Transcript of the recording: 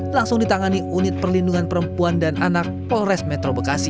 langsung ditangani unit perlindungan perempuan dan anak polres metro bekasi